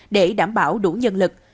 để đảm bảo đủ nhân lực